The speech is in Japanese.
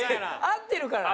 合ってるから。